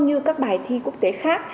như các bài thi quốc tế khác